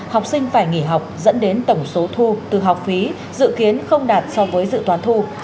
học sinh phải nghỉ học dẫn đến tổng số thu từ học phí dự kiến không đạt so với dự toán thu